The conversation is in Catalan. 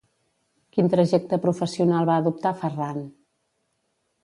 Quin trajecte professional va adoptar Ferran?